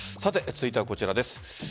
続いてはこちらです。